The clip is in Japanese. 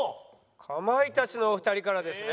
かまいたちのお二人からですね。